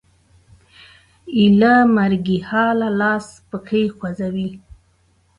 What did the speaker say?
ایله مرګي حاله لاس پښې خوځوي